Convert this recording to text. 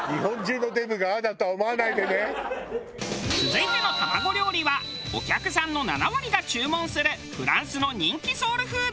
続いての卵料理はお客さんの７割が注文するフランスの人気ソウルフード。